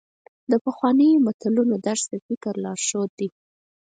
د پخوانیو متلونو درس د فکر لارښود دی.